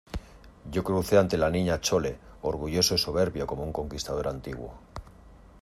yo crucé ante la Niña Chole orgulloso y soberbio como un conquistador antiguo.